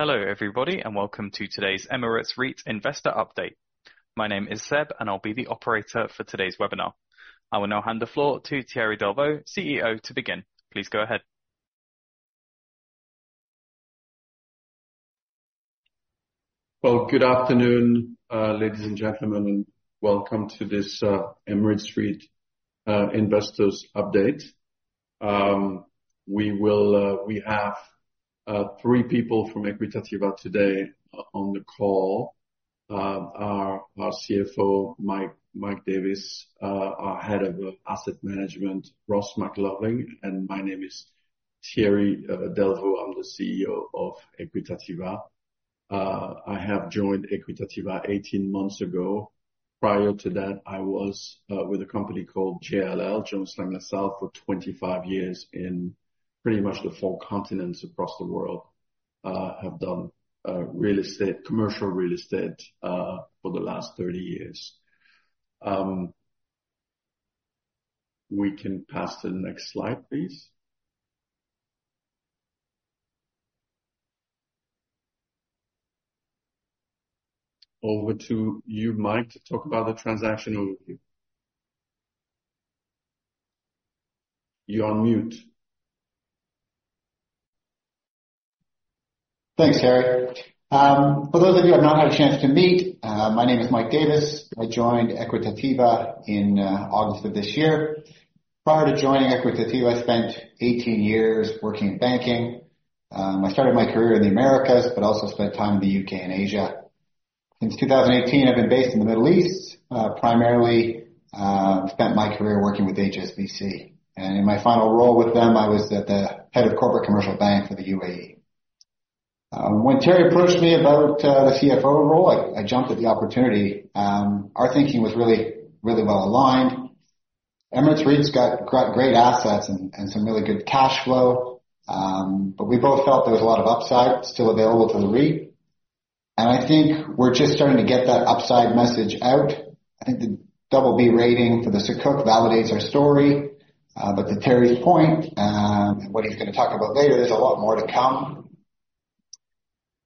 Hello everybody and welcome to today's Emirates REIT's investor update. My name is Seb and I'll be the operator for today's webinar. I will now hand the floor to Thierry Delvaux, CEO, to begin. Please go ahead. Well, good afternoon, ladies and gentlemen, and welcome to this Emirates REIT investors update. We have three people from Equitativa today on the call: our CFO, Mike Davis; our head of asset management, Ross MacDiarmid; and my name is Thierry Delvaux. I'm the CEO of Equitativa. I have joined Equitativa 18 months ago. Prior to that, I was with a company called JLL, Jones Lang LaSalle, for 25 years in pretty much the four continents across the world. I have done commercial real estate for the last 30 years. We can pass to the next slide, please. Over to you, Mike, to talk about the transaction overview. You're on mute. Thanks, Thierry. For those of you who have not had a chance to meet, my name is Mike Davis. I joined Equitativa in August of this year. Prior to joining Equitativa, I spent 18 years working in banking. I started my career in the Americas but also spent time in the U.K. and Asia. Since 2018, I've been based in the Middle East. I primarily spent my career working with HSBC, and in my final role with them, I was the head of corporate commercial bank for the UAE. When Thierry approached me about the CFO role, I jumped at the opportunity. Our thinking was really, really well aligned. Emirates REIT got great assets and some really good cash flow, but we both felt there was a lot of upside still available to the REIT, and I think we're just starting to get that upside message out. I think the BB rating for the sukuk validates our story. But to Thierry's point and what he's going to talk about later, there's a lot more to come.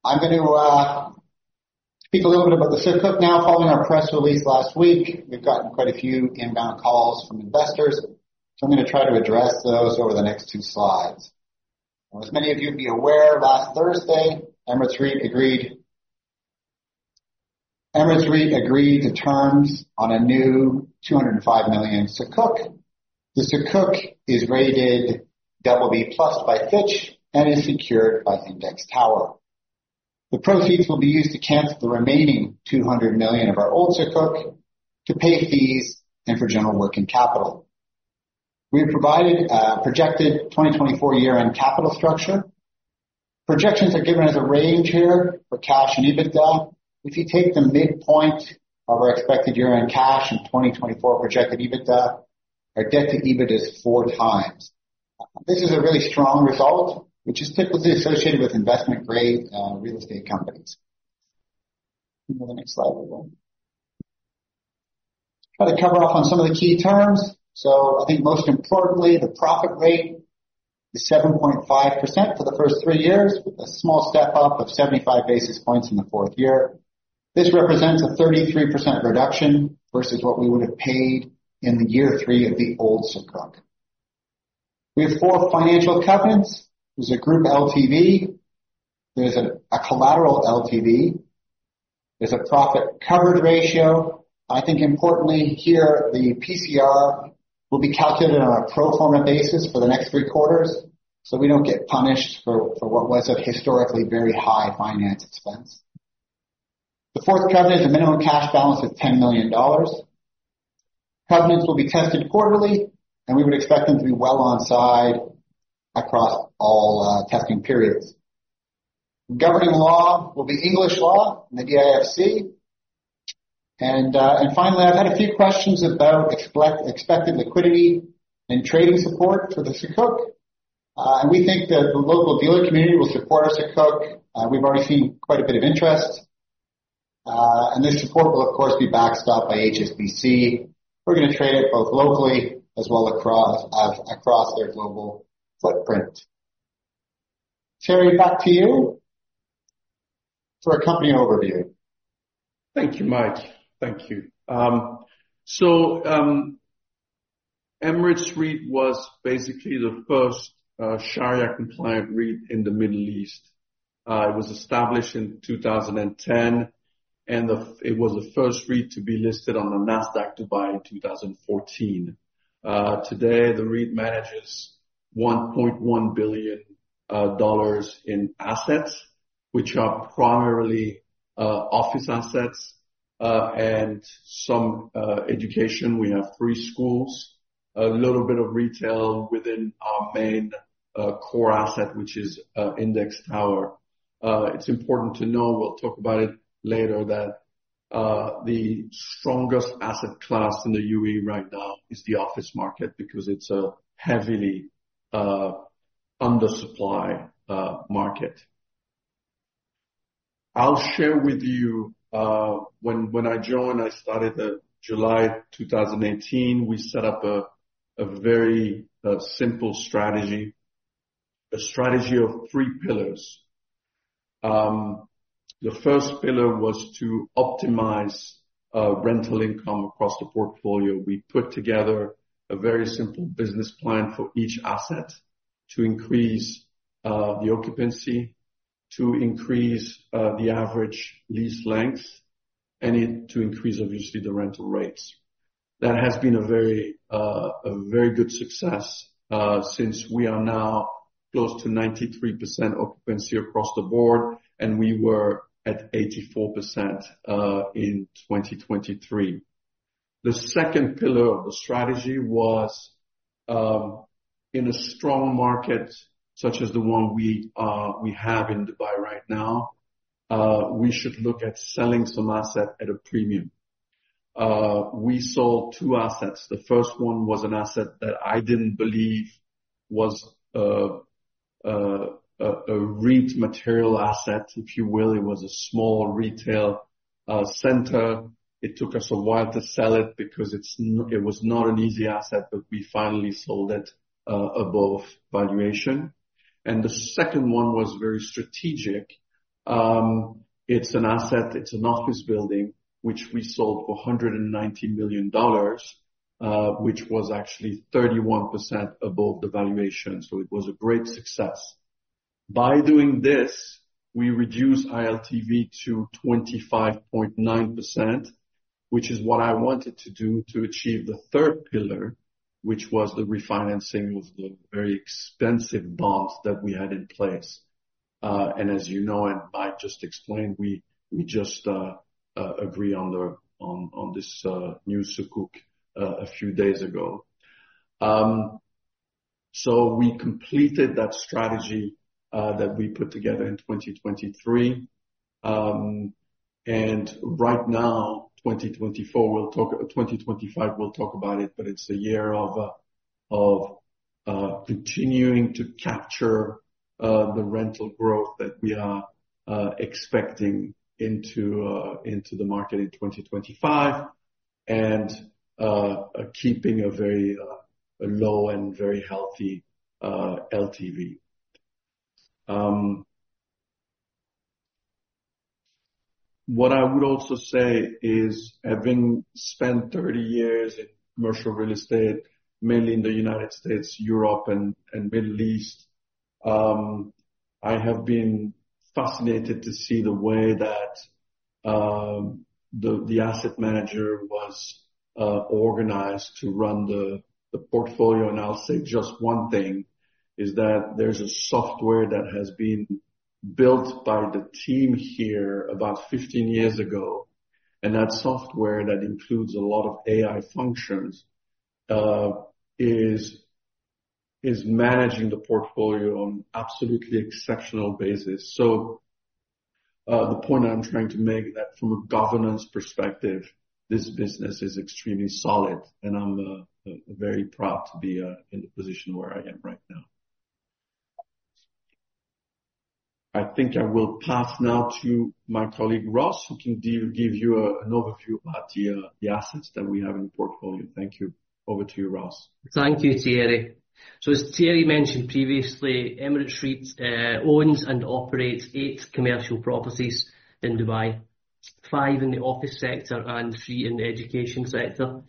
I'm going to speak a little bit about the sukuk now. Following our press release last week, we've gotten quite a few inbound calls from investors, so I'm going to try to address those over the next two slides. As many of you be aware, last Thursday, Emirates REIT agreed to terms on a new 205 million sukuk. The sukuk is rated BB plus by Fitch and is secured by Index Tower. The proceeds will be used to cancel the remaining 200 million of our old sukuk, to pay fees, and for general working capital. We've provided a projected 2024 year-end capital structure. Projections are given as a range here for cash and EBITDA. If you take the midpoint of our expected year-end cash and 2024 projected EBITDA, our debt to EBIT is four times. This is a really strong result, which is typically associated with investment-grade real estate companies. Try to cover off on some of the key terms. So I think most importantly, the profit rate is 7.5% for the first three years, with a small step up of 75 basis points in the fourth year. This represents a 33% reduction versus what we would have paid in the year three of the old sukuk. We have four financial covenants. There's a group LTV. There's a collateral LTV. There's a profit coverage ratio. I think importantly here, the PCR will be calculated on a pro forma basis for the next three quarters, so we don't get punished for what was a historically very high finance expense. The fourth covenant is a minimum cash balance of $10 million. Covenants will be tested quarterly, and we would expect them to be well on side across all testing periods. Governing law will be English law in the DIFC, and finally, I've had a few questions about expected liquidity and trading support for the sukuk, and we think that the local dealer community will support our sukuk. We've already seen quite a bit of interest, and this support will, of course, be backed up by HSBC. We're going to trade it both locally as well as across their global footprint. Thierry, back to you for a company overview. Thank you, Mike. Thank you. So Emirates REIT was basically the first Shariah-compliant REIT in the Middle East. It was established in 2010, and it was the first REIT to be listed on the Nasdaq Dubai in 2014. Today, the REIT manages $1.1 billion in assets, which are primarily office assets and some education. We have three schools, a little bit of retail within our main core asset, which is Index Tower. It's important to know, we'll talk about it later, that the strongest asset class in the UAE right now is the office market because it's a heavily undersupplied market. I'll share with you, when I joined, I started in July 2018. We set up a very simple strategy, a strategy of three pillars. The first pillar was to optimize rental income across the portfolio. We put together a very simple business plan for each asset to increase the occupancy, to increase the average lease length, and to increase, obviously, the rental rates. That has been a very good success since we are now close to 93% occupancy across the board, and we were at 84% in 2023. The second pillar of the strategy was in a strong market such as the one we have in Dubai right now, we should look at selling some asset at a premium. We sold two assets. The first one was an asset that I didn't believe was a REIT material asset, if you will. It was a small retail center. It took us a while to sell it because it was not an easy asset, but we finally sold it above valuation, and the second one was very strategic. It's an asset. It's an office building, which we sold for $190 million, which was actually 31% above the valuation, so it was a great success. By doing this, we reduced our LTV to 25.9%, which is what I wanted to do to achieve the third pillar, which was the refinancing of the very expensive bonds that we had in place, and as you know, and Mike just explained, we just agreed on this new sukuk a few days ago, so we completed that strategy that we put together in 2023, and right now, 2024, we'll talk about it, but it's a year of continuing to capture the rental growth that we are expecting into the market in 2025 and keeping a very low and very healthy LTV. What I would also say is, having spent 30 years in commercial real estate, mainly in the United States, Europe, and Middle East, I have been fascinated to see the way that the asset manager was organized to run the portfolio. And I'll say just one thing, is that there's a software that has been built by the team here about 15 years ago. And that software that includes a lot of AI functions is managing the portfolio on an absolutely exceptional basis. So the point I'm trying to make is that from a governance perspective, this business is extremely solid, and I'm very proud to be in the position where I am right now. I think I will pass now to my colleague, Ross, who can give you an overview about the assets that we have in the portfolio. Thank you. Over to you, Ross. Thank you, Thierry. So as Thierry mentioned previously, Emirates REIT owns and operates eight commercial properties in Dubai, five in the office sector, and three in the education sector.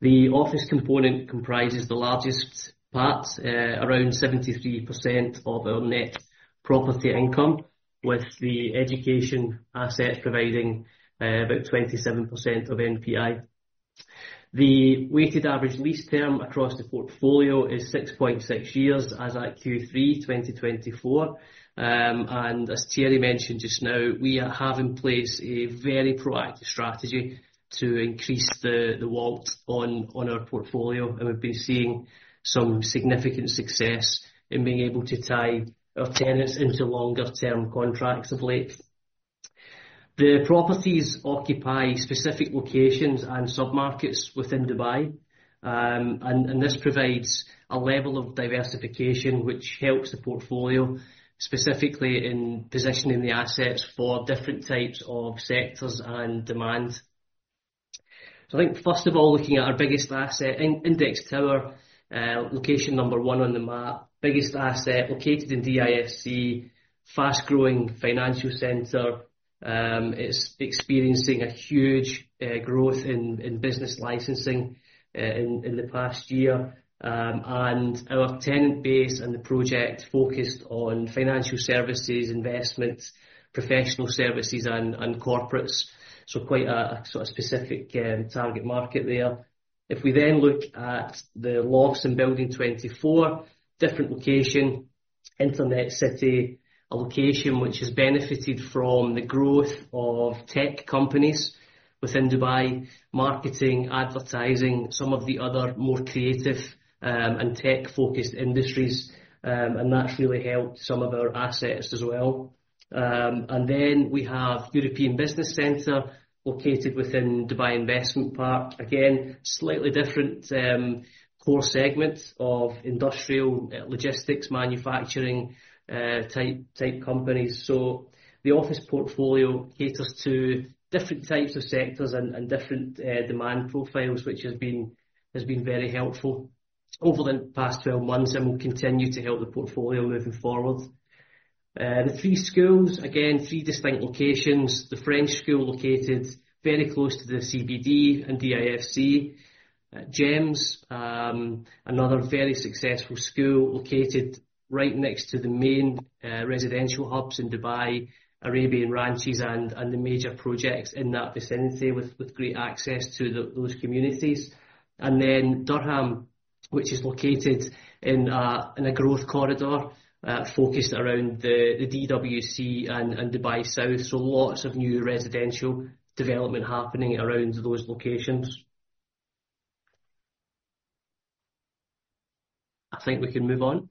The office component comprises the largest part, around 73% of our net property income, with the education asset providing about 27% of NPI. The weighted average lease term across the portfolio is 6.6 years as at Q3 2024. And as Thierry mentioned just now, we have in place a very proactive strategy to increase the WALT on our portfolio, and we've been seeing some significant success in being able to tie our tenants into longer-term contracts of late. The properties occupy specific locations and submarkets within Dubai, and this provides a level of diversification which helps the portfolio, specifically in positioning the assets for different types of sectors and demand. So I think, first of all, looking at our biggest asset, Index Tower, location number one on the map, biggest asset located in DIFC, fast-growing financial center. It's experiencing a huge growth in business licensing in the past year. And our tenant base and the project focused on financial services, investments, professional services, and corporates. So quite a sort of specific target market there. If we then look at The Loft Offices and Building 24, different location, Internet City, a location which has benefited from the growth of tech companies within Dubai, marketing, advertising, some of the other more creative and tech-focused industries, and that's really helped some of our assets as well. And then we have European Business Center located within Dubai Investments Park. Again, slightly different core segments of industrial logistics, manufacturing type companies. So the office portfolio caters to different types of sectors and different demand profiles, which has been very helpful over the past 12 months and will continue to help the portfolio moving forward. The three schools, again, three distinct locations. The French school located very close to the CBD and DIFC, GEMS, another very successful school located right next to the main residential hubs in Dubai, Arabian Ranches, and the major projects in that vicinity with great access to those communities. And then Durham, which is located in a growth corridor focused around the DWC and Dubai South. So lots of new residential development happening around those locations. I think we can move on.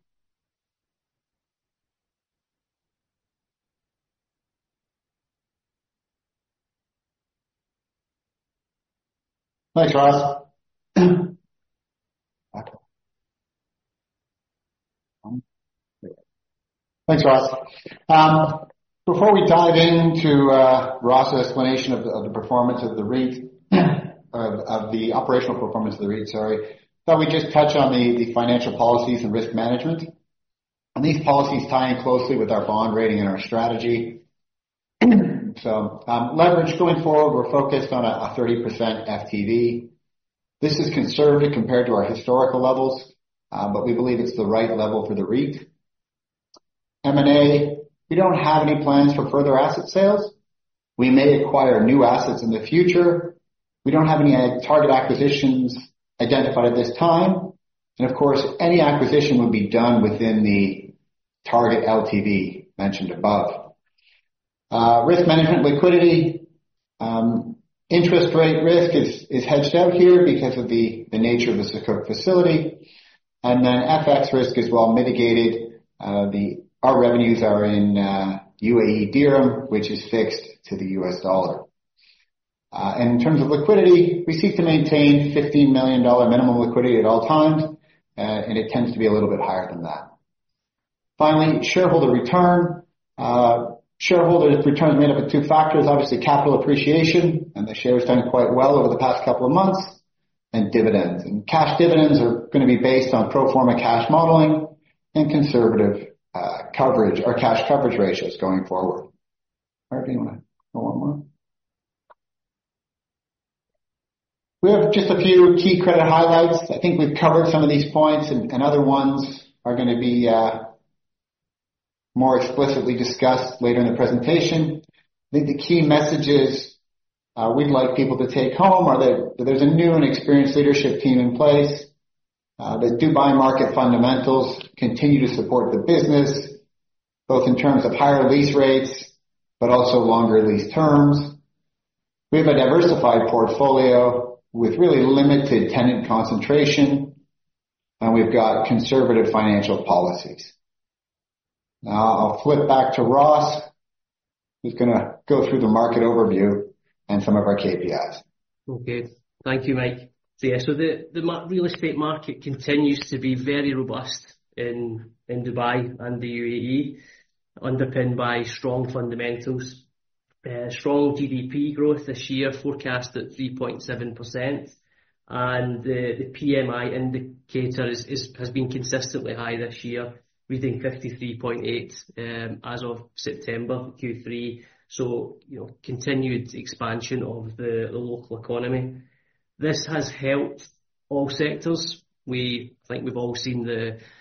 Before we dive into Ross's explanation of the performance of the REIT, of the operational performance of the REIT, sorry, thought we'd just touch on the financial policies and risk management. These policies tie in closely with our bond rating and our strategy. Leverage going forward, we're focused on a 30% FTV. This is conservative compared to our historical levels, but we believe it's the right level for the REIT. M&A, we don't have any plans for further asset sales. We may acquire new assets in the future. We don't have any target acquisitions identified at this time. Of course, any acquisition would be done within the target LTV mentioned above. Risk management, liquidity, interest rate risk is hedged out here because of the nature of the sukuk facility. FX risk is well mitigated. Our revenues are in UAE Dirham, which is fixed to the US dollar. In terms of liquidity, we seek to maintain $15 million minimum liquidity at all times, and it tends to be a little bit higher than that. Finally, shareholder return. Shareholder returns made up of two factors, obviously capital appreciation, and the shares done quite well over the past couple of months, and dividends. And cash dividends are going to be based on pro forma cash modeling and conservative coverage or cash coverage ratios going forward. All right, do you want to go one more? We have just a few key credit highlights. I think we've covered some of these points, and other ones are going to be more explicitly discussed later in the presentation. I think the key messages we'd like people to take home are that there's a new and experienced leadership team in place, that Dubai market fundamentals continue to support the business, both in terms of higher lease rates, but also longer lease terms. We have a diversified portfolio with really limited tenant concentration, and we've got conservative financial policies. Now I'll flip back to Ross. He's going to go through the market overview and some of our KPIs. Okay. Thank you, Mike. So yes, so the real estate market continues to be very robust in Dubai and the UAE, underpinned by strong fundamentals, strong GDP growth this year forecast at 3.7%, and the PMI indicator has been consistently high this year, reading 53.8 as of September, Q3, so continued expansion of the local economy. This has helped all sectors. I think we've all seen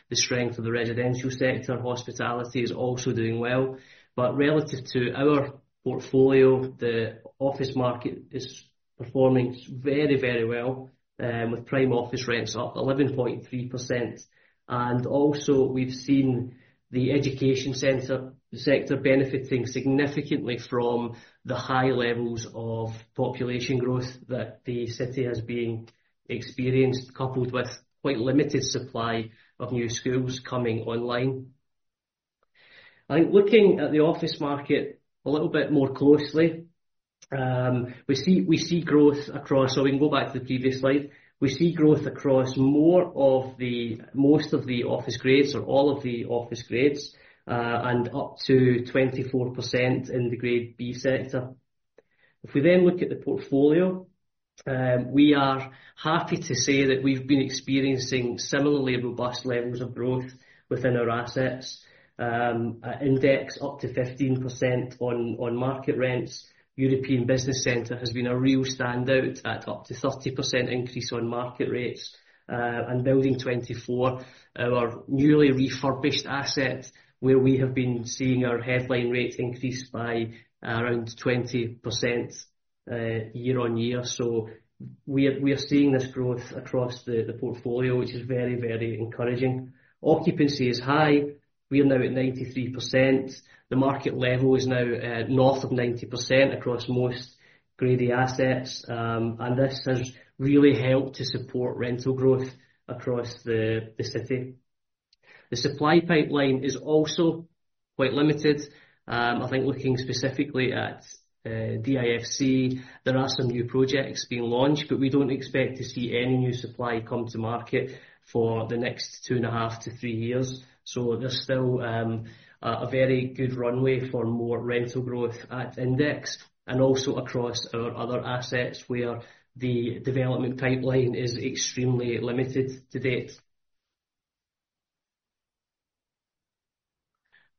the strength of the residential sector. Hospitality is also doing well, but relative to our portfolio, the office market is performing very, very well, with prime office rents up at 11.3%, and also we've seen the education sector benefiting significantly from the high levels of population growth that the city has been experienced, coupled with quite limited supply of new schools coming online. I think looking at the office market a little bit more closely, we see growth across, so we can go back to the previous slide. We see growth across more of most of the office grades or all of the office grades, and up to 24% in the Grade B sector. If we then look at the portfolio, we are happy to say that we've been experiencing similarly robust levels of growth within our assets, indexed up to 15% on market rents. European Business Center has been a real standout at up to 30% increase on market rates, and Building 24, our newly refurbished asset, where we have been seeing our headline rate increase by around 20% year on year. So we are seeing this growth across the portfolio, which is very, very encouraging. Occupancy is high. We are now at 93%. The market level is now north of 90% across most Grade A assets. And this has really helped to support rental growth across the city. The supply pipeline is also quite limited. I think looking specifically at DIFC, there are some new projects being launched, but we don't expect to see any new supply come to market for the next two and a half to three years. So there's still a very good runway for more rental growth at index and also across our other assets where the development pipeline is extremely limited to date.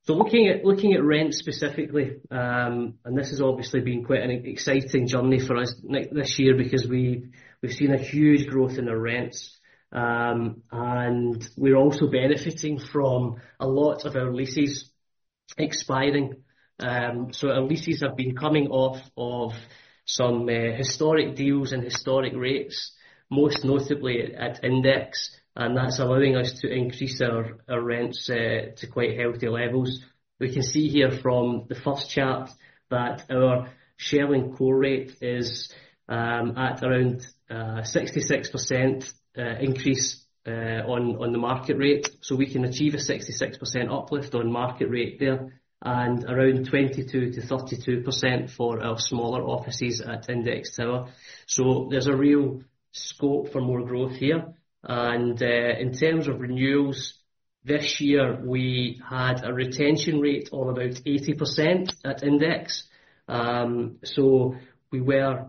So looking at rent specifically, and this has obviously been quite an exciting journey for us this year because we've seen a huge growth in our rents. And we're also benefiting from a lot of our leases expiring. Our leases have been coming off of some historic deals and historic rates, most notably at Index. And that's allowing us to increase our rents to quite healthy levels. We can see here from the first chart that our shell and core rate is at around 66% increase on the market rate. So we can achieve a 66% uplift on market rate there and around 22%-32% for our smaller offices at Index Tower. So there's a real scope for more growth here. And in terms of renewals, this year we had a retention rate of about 80% at Index. So we were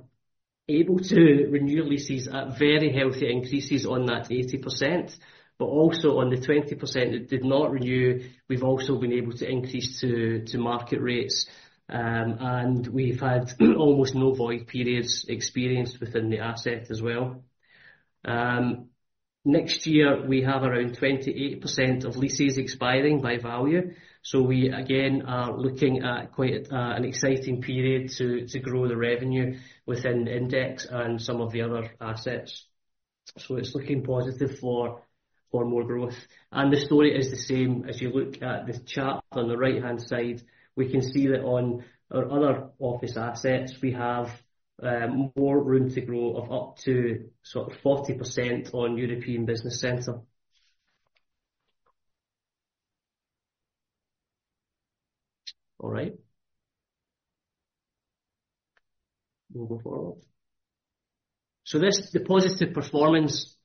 able to renew leases at very healthy increases on that 80%. But also on the 20% that did not renew, we've also been able to increase to market rates. And we've had almost no void periods experienced within the asset as well. Next year, we have around 28% of leases expiring by value. So we again are looking at quite an exciting period to grow the revenue within Index and some of the other assets. So it's looking positive for more growth. And the story is the same. As you look at the chart on the right-hand side, we can see that on our other office assets, we have more room to grow of up to sort of 40% on European Business Center. All right. We'll go forward. So this positive performance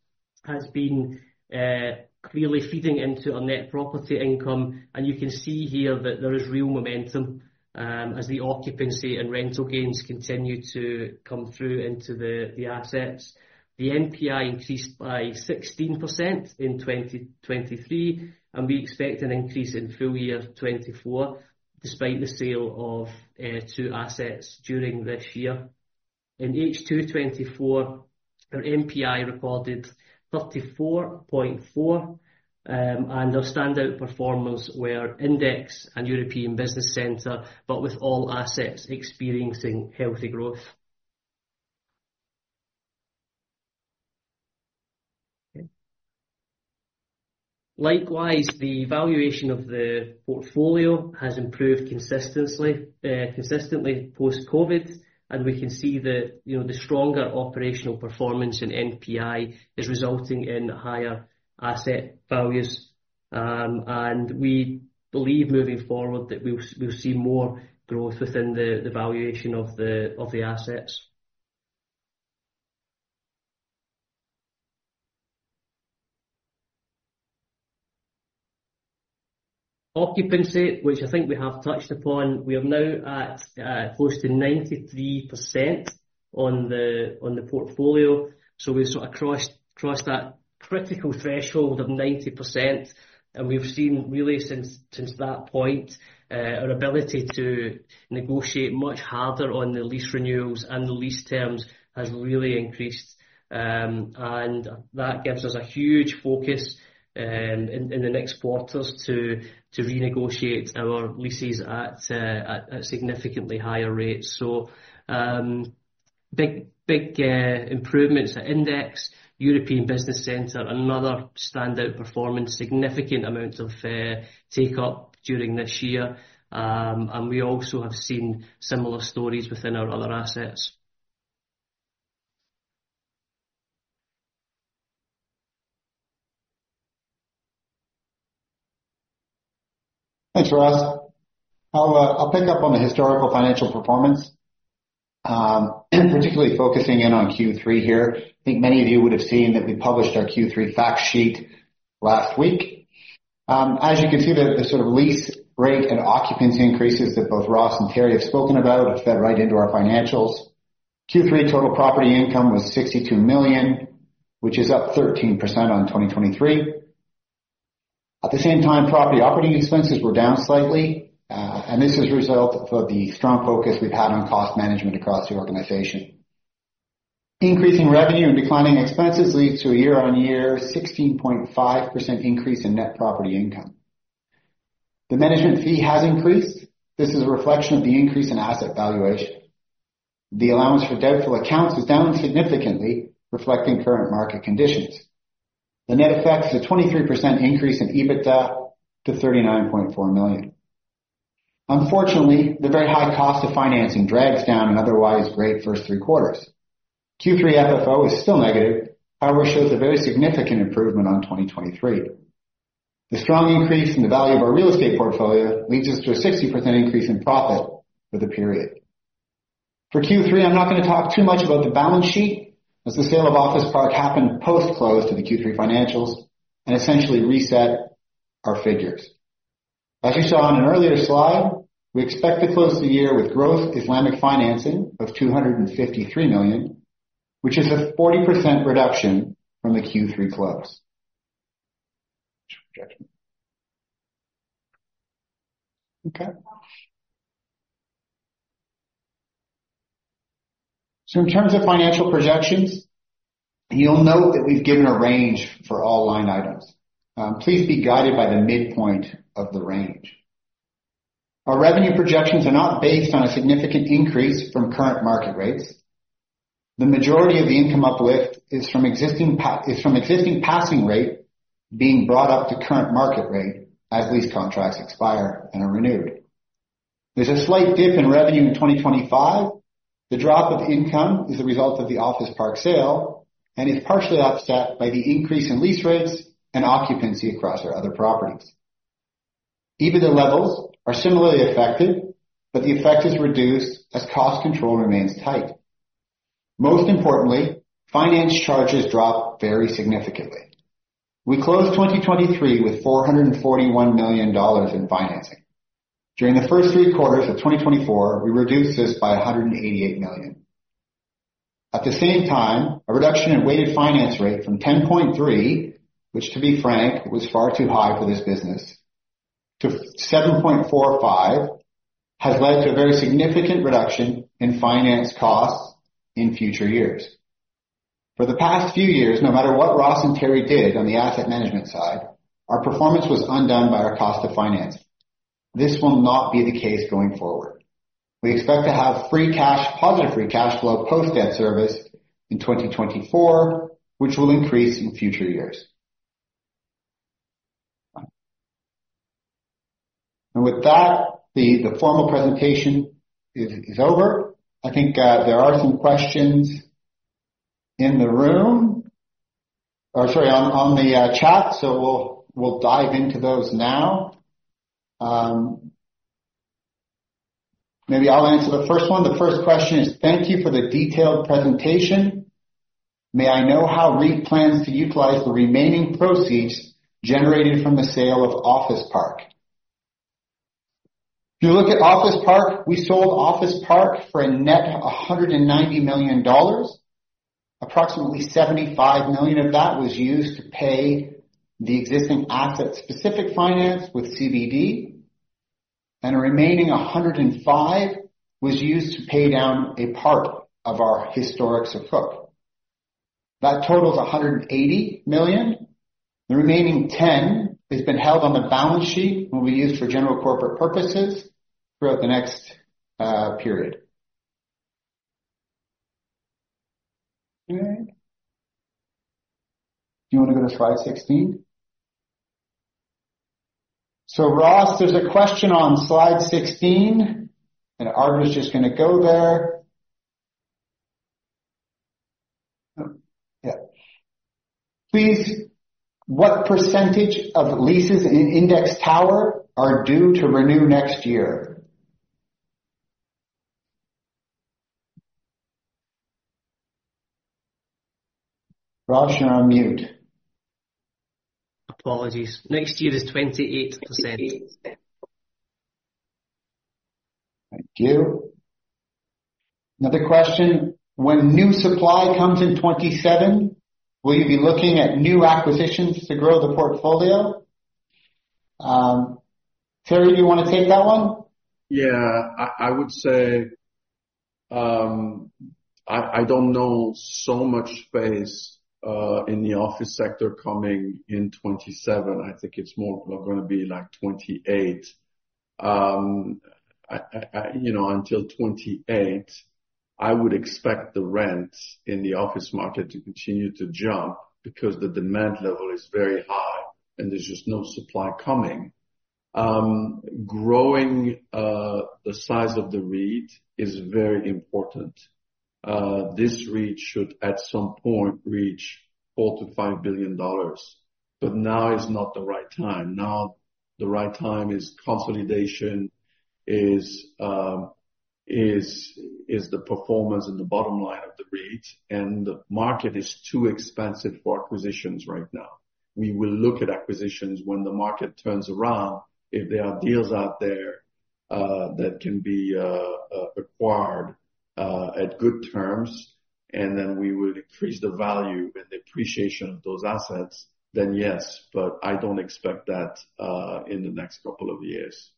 has been clearly feeding into our net property income. And you can see here that there is real momentum as the occupancy and rental gains continue to come through into the assets. The NPI increased by 16% in 2023, and we expect an increase in full year 2024 despite the sale of two assets during this year. In H224, our NPI recorded 34.4, and our standout performance were Index Tower and European Business Center, but with all assets experiencing healthy growth. Likewise, the valuation of the portfolio has improved consistently post-COVID, and we can see the stronger operational performance in NPI is resulting in higher asset values, and we believe moving forward that we'll see more growth within the valuation of the assets. Occupancy, which I think we have touched upon, we are now at close to 93% on the portfolio, so we've sort of crossed that critical threshold of 90%, and we've seen really since that point, our ability to negotiate much harder on the lease renewals and the lease terms has really increased, and that gives us a huge focus in the next quarters to renegotiate our leases at significantly higher rates. So big improvements at Index, European Business Center, another standout performance, significant amounts of take-up during this year. And we also have seen similar stories within our other assets. Thanks, Ross. I'll pick up on the historical financial performance, particularly focusing in on Q3 here. I think many of you would have seen that we published our Q3 fact sheet last week. As you can see, the sort of lease rate and occupancy increases that both Ross and Thierry have spoken about have fed right into our financials. Q3 total property income was 62 million, which is up 13% on 2023. At the same time, property operating expenses were down slightly. And this has resulted from the strong focus we've had on cost management across the organization. Increasing revenue and declining expenses leads to a year-on-year 16.5% increase in net property income. The management fee has increased. This is a reflection of the increase in asset valuation. The allowance for doubtful accounts is down significantly, reflecting current market conditions. The net effect is a 23% increase in EBITDA to 39.4 million. Unfortunately, the very high cost of financing drags down an otherwise great first three quarters. Q3 FFO is still negative, however, shows a very significant improvement over 2023. The strong increase in the value of our real estate portfolio leads us to a 60% increase in profit for the period. For Q3, I'm not going to talk too much about the balance sheet as the sale of Office Park happened post-close to the Q3 financials and essentially reset our figures. As you saw on an earlier slide, we expect to close the year with gross Islamic financing of 253 million, which is a 40% reduction from the Q3 close. Okay. So in terms of financial projections, you'll note that we've given a range for all line items. Please be guided by the midpoint of the range. Our revenue projections are not based on a significant increase from current market rates. The majority of the income uplift is from existing passing rate being brought up to current market rate as lease contracts expire and are renewed. There's a slight dip in revenue in 2025. The drop of income is the result of the Office Park sale and is partially offset by the increase in lease rates and occupancy across our other properties. EBITDA levels are similarly affected, but the effect is reduced as cost control remains tight. Most importantly, finance charges drop very significantly. We closed 2023 with $441 million in financing. During the first three quarters of 2024, we reduced this by $188 million. At the same time, a reduction in weighted finance rate from 10.3%, which to be frank, was far too high for this business, to 7.45% has led to a very significant reduction in finance costs in future years. For the past few years, no matter what Ross and Thierry did on the asset management side, our performance was undone by our cost of financing. This will not be the case going forward. We expect to have positive free cash flow post-debt service in 2024, which will increase in future years. And with that, the formal presentation is over. I think there are some questions in the room or sorry, on the chat. So we'll dive into those now. Maybe I'll answer the first one. The first question is, "Thank you for the detailed presentation. May I know how REIT plans to utilize the remaining proceeds generated from the sale of Office Park?" If you look at Office Park, we sold Office Park for a net $190 million. Approximately $75 million of that was used to pay the existing asset-specific finance with CBD. And a remaining $105 million was used to pay down a part of our historic support. That totals $180 million. The remaining $10 million has been held on the balance sheet and will be used for general corporate purposes throughout the next period. Do you want to go to slide 16? So Ross, there's a question on slide 16. And Arv is just going to go there. Yeah. Please, what percentage of leases in Index Tower are due to renew next year? Ross, you're on mute. Apologies. Next year is 28%. Thank you. Another question. When new supply comes in 2027, will you be looking at new acquisitions to grow the portfolio? Thierry, do you want to take that one? Yeah. I would say I don't know so much phase in the office sector coming in 2027. I think it's more going to be like 2028. Until 2028, I would expect the rents in the office market to continue to jump because the demand level is very high and there's just no supply coming. Growing the size of the REIT is very important. This REIT should at some point reach $4 billion-$5 billion. But now is not the right time. Now the right time is consolidation is the performance and the bottom line of the REIT. And the market is too expensive for acquisitions right now. We will look at acquisitions when the market turns around. If there are deals out there that can be acquired at good terms and then we will increase the value and the appreciation of those assets, then yes. But I don't expect that in the next couple of years.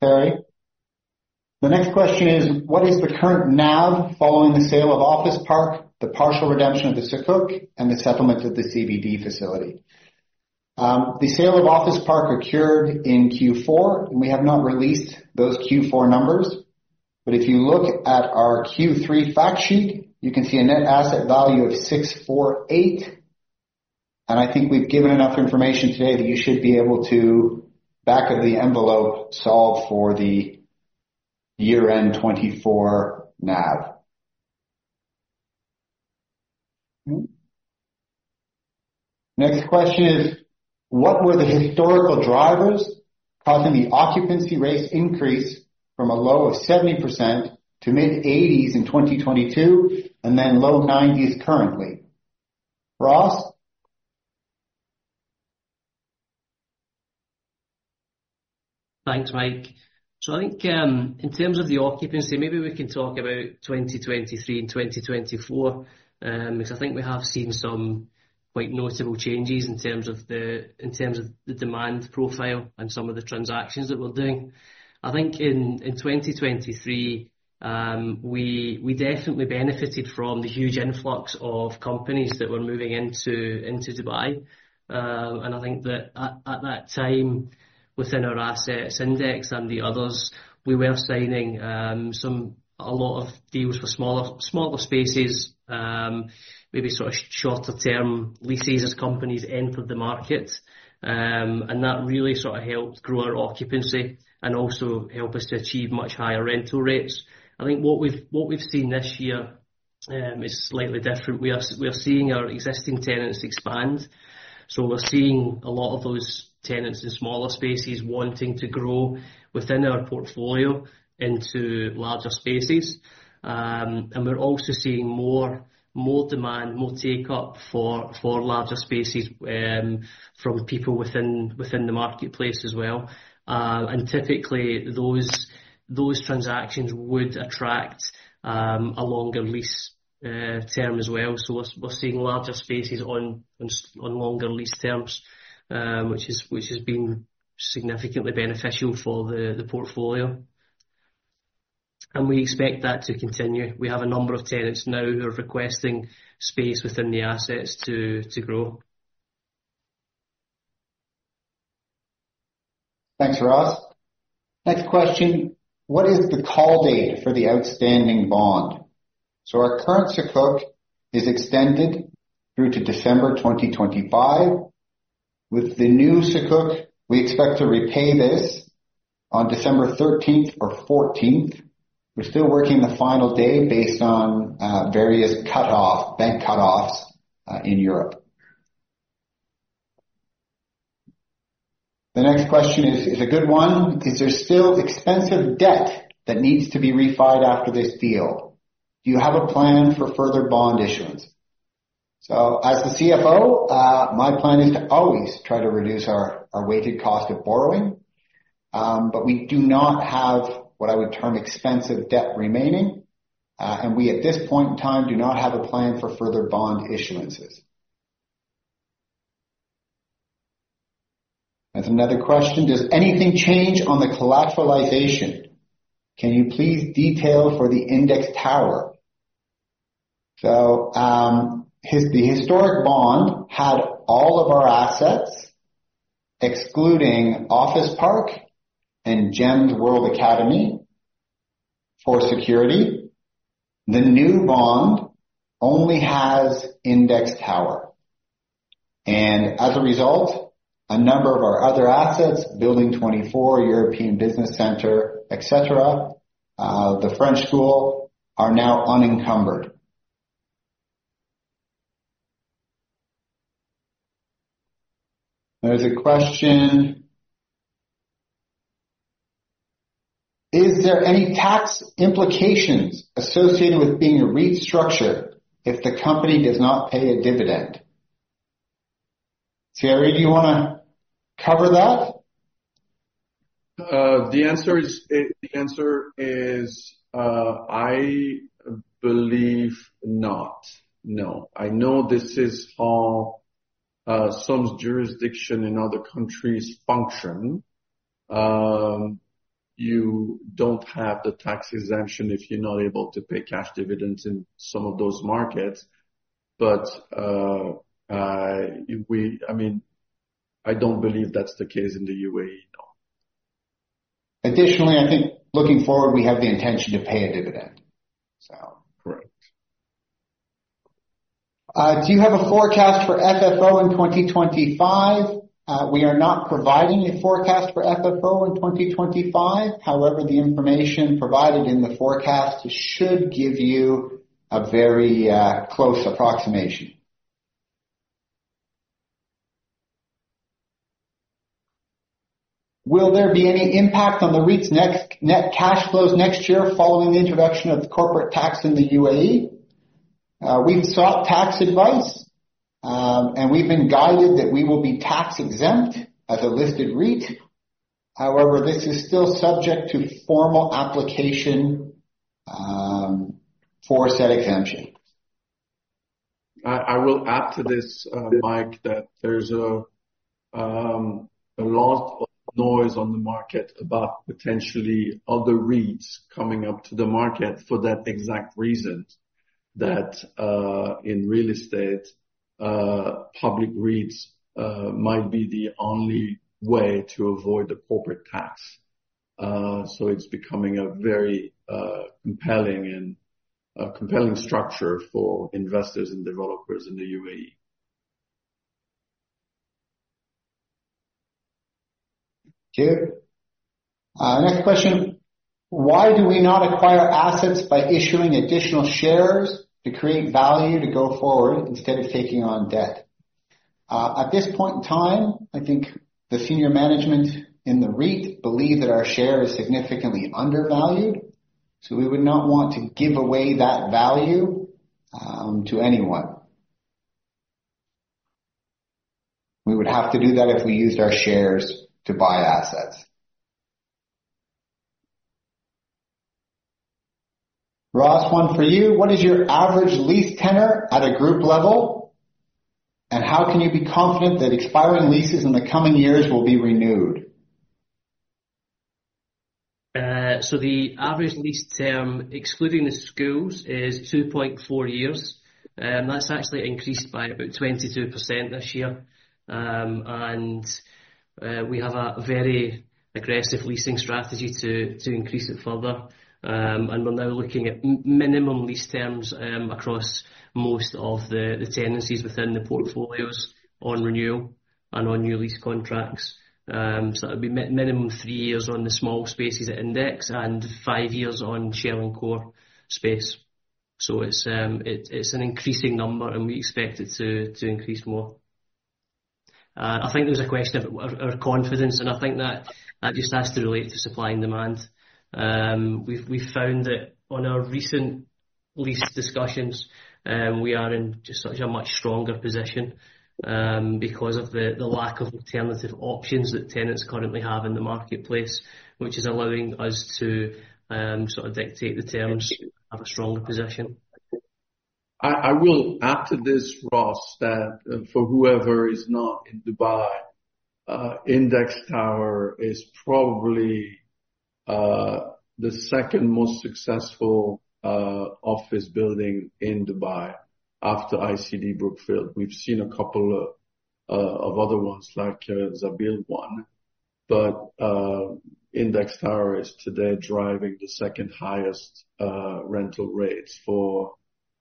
Thierry. The next question is, "What is the current NAV following the sale of Office Park, the partial redemption of the sukuk, and the settlement of the CBD facility?" The sale of Office Park occurred in Q4, and we have not released those Q4 numbers, but if you look at our Q3 fact sheet, you can see a net asset value of 648, and I think we've given enough information today that you should be able to, back of the envelope, solve for the year-end 2024 NAV. Next question is, "What were the historical drivers causing the occupancy rate increase from a low of 70% to mid-80s% in 2022 and then low 90s% currently?" Ross? Thanks, Mike, so I think in terms of the occupancy, maybe we can talk about 2023 and 2024 because I think we have seen some quite notable changes in terms of the demand profile and some of the transactions that we're doing. I think in 2023, we definitely benefited from the huge influx of companies that were moving into Dubai, and I think that at that time, within our assets Index and the others, we were signing a lot of deals for smaller spaces, maybe sort of shorter-term leases as companies entered the market, and that really sort of helped grow our occupancy and also helped us to achieve much higher rental rates. I think what we've seen this year is slightly different. We are seeing our existing tenants expand, so we're seeing a lot of those tenants in smaller spaces wanting to grow within our portfolio into larger spaces. And we're also seeing more demand, more take-up for larger spaces from people within the marketplace as well. And typically, those transactions would attract a longer lease term as well. So we're seeing larger spaces on longer lease terms, which has been significantly beneficial for the portfolio. And we expect that to continue. We have a number of tenants now who are requesting space within the assets to grow. Thanks, Ross. Next question. What is the call date for the outstanding bond? So our current sukuk is extended through to December 2025. With the new sukuk, we expect to repay this on December 13th or 14th. We're still working the final day based on various bank cutoffs in Europe. The next question is a good one. Is there still expensive debt that needs to be refinanced after this deal? Do you have a plan for further bond issuance? So as the CFO, my plan is to always try to reduce our weighted cost of borrowing. But we do not have what I would term expensive debt remaining. And we, at this point in time, do not have a plan for further bond issuances. That's another question. Does anything change on the collateralization? Can you please detail for the Index Tower? So the historic bond had all of our assets, excluding Office Park and GEMS World Academy for security. The new bond only has Index Tower. And as a result, a number of our other assets, Building 24, European Business Center, etc., the French school, are now unencumbered. There's a question. Is there any tax implications associated with being a REIT structure if the company does not pay a dividend? Thierry, do you want to cover that? The answer is I believe not. No. I know this is how some jurisdictions in other countries function. You don't have the tax exemption if you're not able to pay cash dividends in some of those markets. But I mean, I don't believe that's the case in the UAE, no. Additionally, I think looking forward, we have the intention to pay a dividend, so. Correct. Do you have a forecast for FFO in 2025? We are not providing a forecast for FFO in 2025. However, the information provided in the forecast should give you a very close approximation. Will there be any impact on the REIT's net cash flows next year following the introduction of corporate tax in the UAE? We've sought tax advice, and we've been guided that we will be tax-exempt as a listed REIT. However, this is still subject to formal application for tax exemption. I will add to this, Mike, that there's a lot of noise on the market about potentially other REITs coming up to the market for that exact reason that in real estate, public REITs might be the only way to avoid the corporate tax. So it's becoming a very compelling structure for investors and developers in the UAE. Thank you. Next question. Why do we not acquire assets by issuing additional shares to create value to go forward instead of taking on debt? At this point in time, I think the senior management in the REIT believe that our share is significantly undervalued. So we would not want to give away that value to anyone. We would have to do that if we used our shares to buy assets. Ross, one for you. What is your average lease tenor at a group level? And how can you be confident that expiring leases in the coming years will be renewed? The average lease term, excluding the schools, is 2.4 years. And that's actually increased by about 22% this year. And we have a very aggressive leasing strategy to increase it further. And we're now looking at minimum lease terms across most of the tenancies within the portfolios on renewal and on new lease contracts. So that would be minimum three years on the small spaces at Index and five years on shell and core space. So it's an increasing number, and we expect it to increase more. I think there's a question of our confidence. And I think that just has to relate to supply and demand. We've found that on our recent lease discussions, we are in just such a much stronger position because of the lack of alternative options that tenants currently have in the marketplace, which is allowing us to sort of dictate the terms to have a stronger position. I will add to this, Ross, that for whoever is not in Dubai, Index Tower is probably the second most successful office building in Dubai after ICD Brookfield. We've seen a couple of other ones like One Za'abeel. But Index Tower is today driving the second highest rental rates for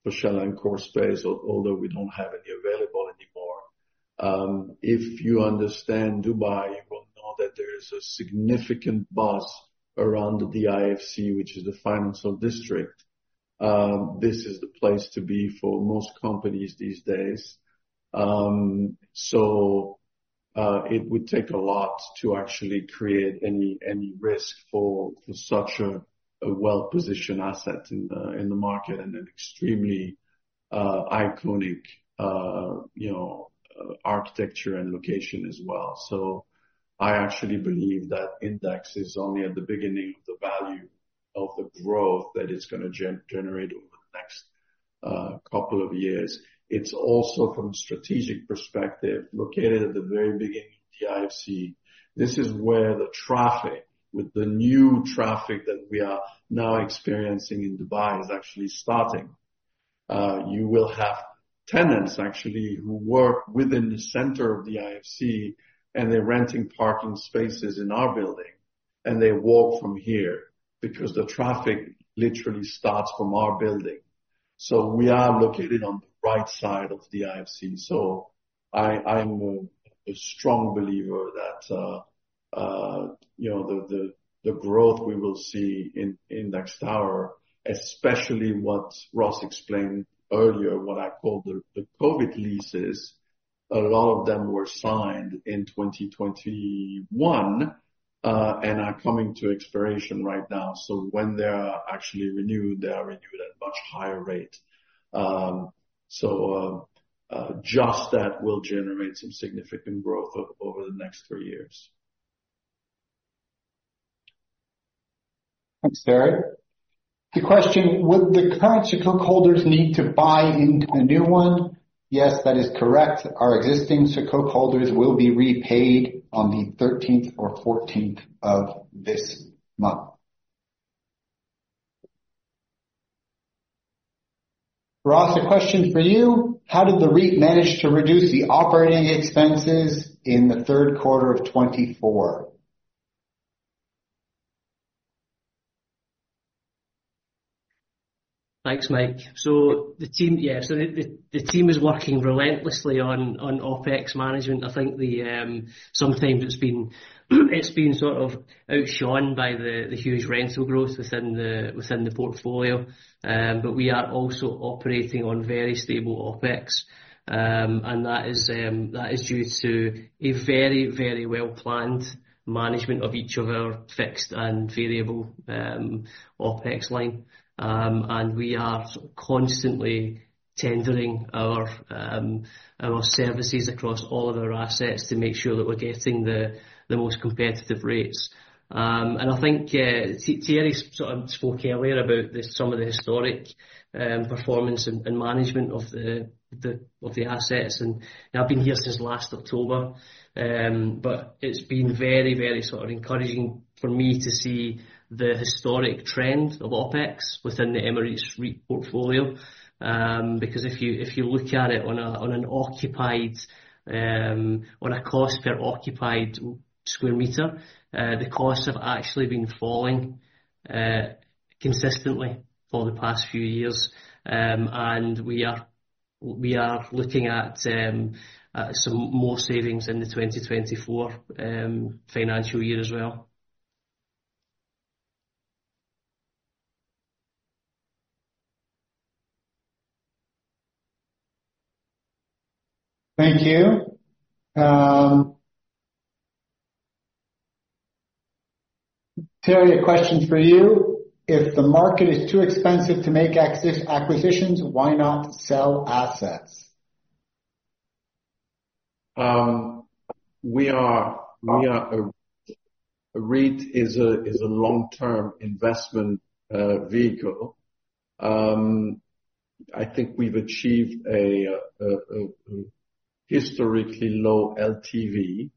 Grade A and core space, although we don't have any available anymore. If you understand Dubai, you will know that there is a significant buzz around the DIFC, which is the financial district. This is the place to be for most companies these days. So it would take a lot to actually create any risk for such a well-positioned asset in the market and an extremely iconic architecture and location as well. So I actually believe that Index is only at the beginning of the value of the growth that it's going to generate over the next couple of years. It's also, from a strategic perspective, located at the very beginning of DIFC. This is where the traffic, with the new traffic that we are now experiencing in Dubai, is actually starting. You will have tenants actually who work within the center of DIFC, and they're renting parking spaces in our building. And they walk from here because the traffic literally starts from our building. So we are located on the right side of DIFC. So I'm a strong believer that the growth we will see in Index Tower, especially what Ross explained earlier, what I called the COVID leases, a lot of them were signed in 2021 and are coming to expiration right now. So when they are actually renewed, they are renewed at a much higher rate. So just that will generate some significant growth over the next three years. Thanks, Thierry. The question, "Would the current sukuk holders need to buy into the new one?" Yes, that is correct. Our existing sukuk holders will be repaid on the 13th or 14th of this month. Ross, a question for you. How did the REIT manage to reduce the operating expenses in the third quarter of 2024? Thanks, Mike. So the team is working relentlessly on OpEx management. I think sometimes it's been sort of outshone by the huge rental growth within the portfolio. But we are also operating on very stable OpEx. And that is due to a very, very well-planned management of each of our fixed and variable OpEx line. And we are constantly tendering our services across all of our assets to make sure that we're getting the most competitive rates. And I think Thierry sort of spoke earlier about some of the historic performance and management of the assets. And I've been here since last October. But it's been very, very sort of encouraging for me to see the historic trend of OpEx within the Emirates REIT portfolio. Because if you look at it on a cost per occupied sq m, the costs have actually been falling consistently for the past few years. We are looking at some more savings in the 2024 financial year as well. Thank you. Thierry, a question for you. If the market is too expensive to make acquisitions, why not sell assets? A REIT is a long-term investment vehicle. I think we've achieved a historically low LTV.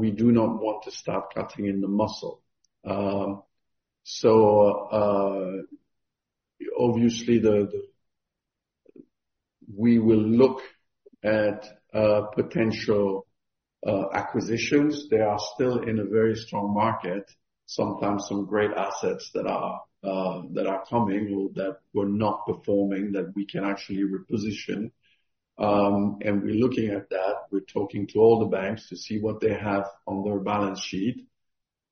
We do not want to start cutting in the muscle, so obviously we will look at potential acquisitions. They are still in a very strong market. Sometimes some great assets that are coming or that were not performing that we can actually reposition. And we're looking at that. We're talking to all the banks to see what they have on their balance sheet.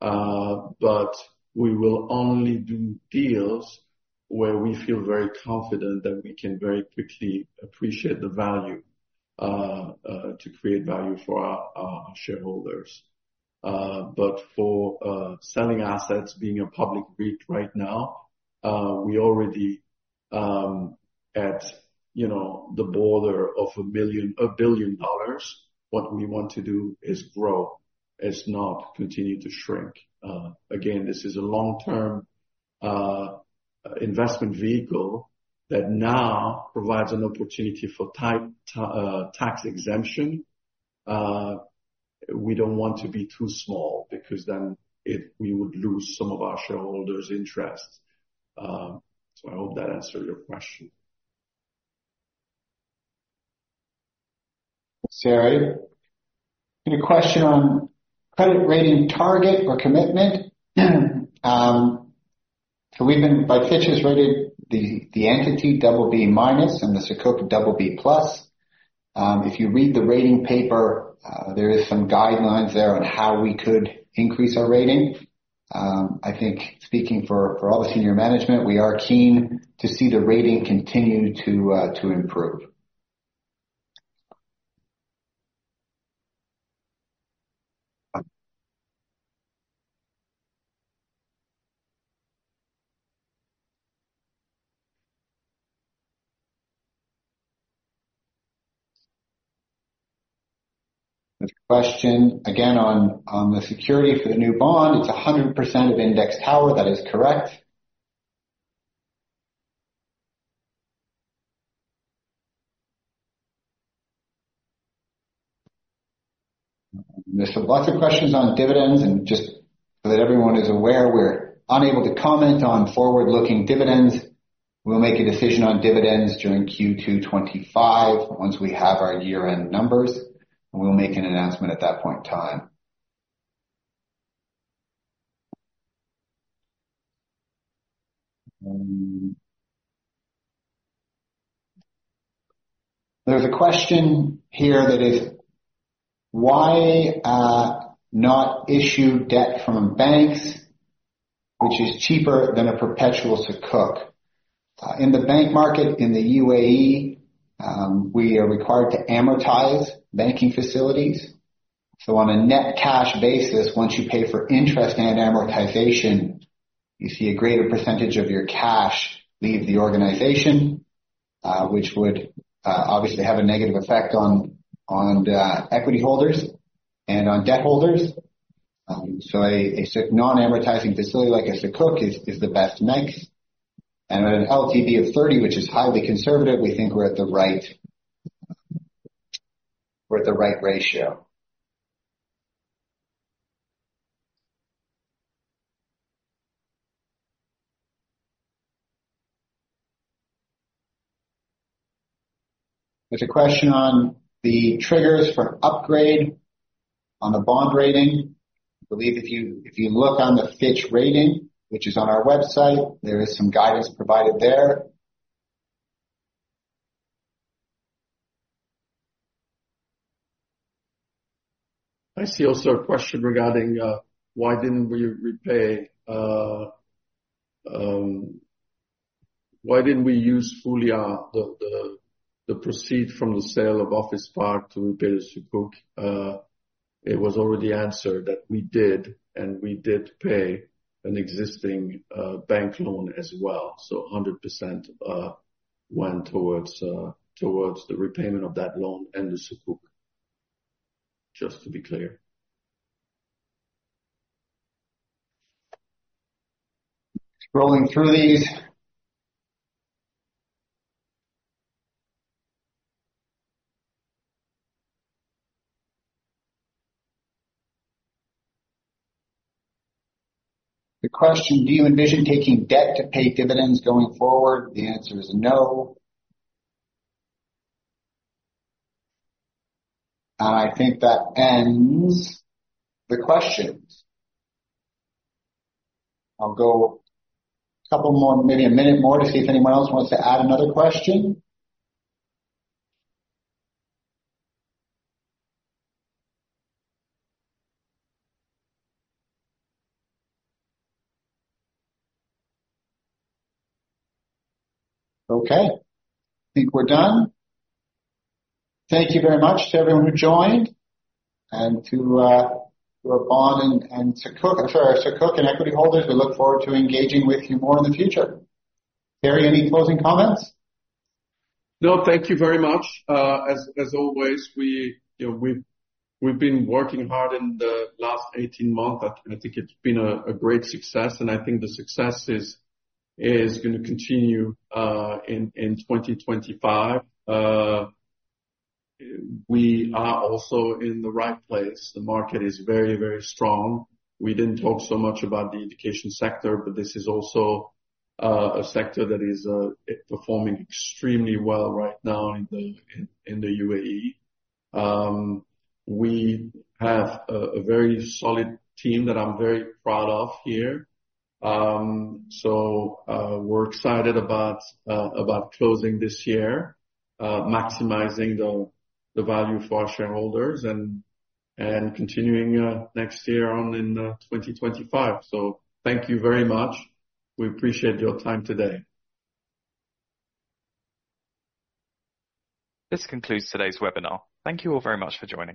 But we will only do deals where we feel very confident that we can very quickly appreciate the value to create value for our shareholders. But for selling assets, being a public REIT right now, we're already at the border of $1 billion. What we want to do is grow. It's not continue to shrink. Again, this is a long-term investment vehicle that now provides an opportunity for tax exemption. We don't want to be too small because then we would lose some of our shareholders' interests. So I hope that answered your question. Thanks, Thierry. A question on credit rating target or commitment. So, Fitch has rated the entity BB minus and the sukuk BB plus. If you read the rating paper, there are some guidelines there on how we could increase our rating. I think speaking for all the senior management, we are keen to see the rating continue to improve. A question again on the security for the new bond. It's 100% of Index Tower. That is correct. There's lots of questions on dividends. And just so that everyone is aware, we're unable to comment on forward-looking dividends. We'll make a decision on dividends during Q2 2025 once we have our year-end numbers. And we'll make an announcement at that point in time. There's a question here that is, "Why not issue debt from banks, which is cheaper than a perpetual sukuk?" In the bank market in the UAE, we are required to amortize banking facilities. So on a net cash basis, once you pay for interest and amortization, you see a greater percentage of your cash leave the organization, which would obviously have a negative effect on equity holders and on debt holders. So a non-amortizing facility like a sukuk is the best mix. And at an LTV of 30%, which is highly conservative, we think we're at the right ratio. There's a question on the triggers for upgrade on the bond rating. I believe if you look on the Fitch Ratings, which is on our website, there is some guidance provided there. I see also a question regarding why didn't we repay. Why didn't we use fully the proceeds from the sale of Office Park to repay the sukuk. It was already answered that we did and we did pay an existing bank loan as well, so 100% went towards the repayment of that loan and the sukuk, just to be clear. Scrolling through these. The question, "Do you envision taking debt to pay dividends going forward?" The answer is no, and I think that ends the questions. I'll go a couple more, maybe a minute more, to see if anyone else wants to add another question. Okay. I think we're done. Thank you very much to everyone who joined, and to our bond and sukuk and equity holders, we look forward to engaging with you more in the future. Thierry, any closing comments? No, thank you very much. As always, we've been working hard in the last 18 months. I think it's been a great success. And I think the success is going to continue in 2025. We are also in the right place. The market is very, very strong. We didn't talk so much about the education sector, but this is also a sector that is performing extremely well right now in the UAE. We have a very solid team that I'm very proud of here. So we're excited about closing this year, maximizing the value for our shareholders, and continuing next year on in 2025. So thank you very much. We appreciate your time today. This concludes today's webinar. Thank you all very much for joining.